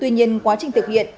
tuy nhiên quá trình thực hiện